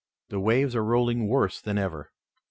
The waves are rolling worse than ever."